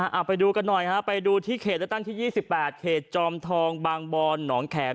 เอาไปดูกันหน่อยฮะไปดูที่เขตเลือกตั้งที่๒๘เขตจอมทองบางบอนหนองแขม